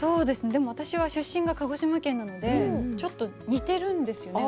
でも私は出身が鹿児島県なのでちょっと似ているんですよね